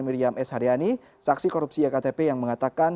miriam s haryani saksi korupsi iktp yang mengatakan